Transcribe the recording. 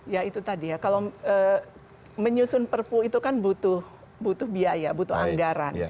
ya itu tadi ya kalau menyusun perpu itu kan butuh biaya butuh anggaran